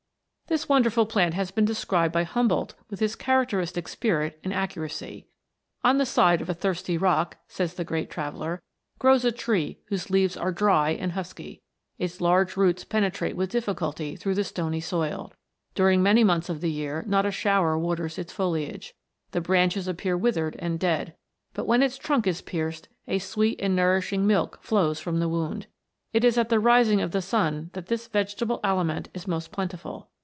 This wonderful plant has been de scribed by Humboldt with his characteristic spirit and accuracy. " On the side of a thirsty rock," says the great traveller, " grows a tree whose leaves are dry and husky. Its large roots peneti'ate with difficulty through the stony soil. During many months of the year not a shower waters its foliage; the branches appear withered and dead; but when its trunk is pierced, a sweet and nourish ing milk flows from the wound. It is at the rising of the sun that this vegetable aliment is most plentiful.